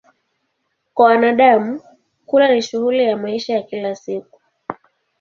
Kwa wanadamu, kula ni shughuli ya maisha ya kila siku.